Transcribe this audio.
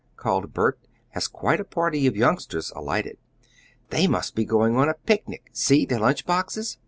called Bert, as quite a party of youngsters alighted. "They must be going on a picnic; see their lunch boxes."